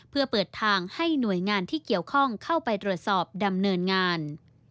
เพื่อเปิดทางให้หน่วยงานที่เกี่ยวข้องเข้าไปตรวจสอบดำเนินงาน